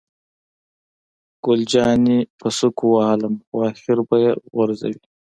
ګل جانې په سوک ووهلم، خو آخر به یې غورځوي.